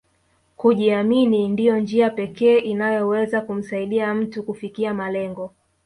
Kujiamini ndio njia pekee inayoweza kumsaidia mtu kufikia malengo